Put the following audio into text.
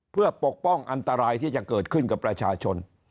เพื่อปกป้องอันตรายที่จะเกิดขึ้นกับประชาชน